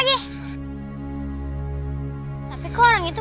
buat ruang gue